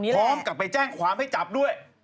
พร้อมกับไปแจ้งความให้จับด้วย